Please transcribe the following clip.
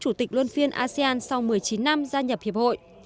chủ tịch luân phiên asean sau một mươi chín năm gia nhập hiệp hội